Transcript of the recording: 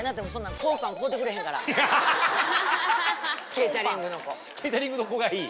ケータリングの子がいい？